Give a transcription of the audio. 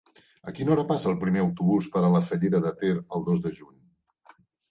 A quina hora passa el primer autobús per la Cellera de Ter el dos de juny?